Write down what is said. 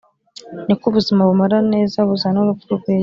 niko ubuzima bumara neza buzana urupfu rwiza.